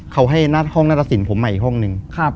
เขาให้ธนาศิษฐ์ผมใหม่อีกห้องหนึ่ง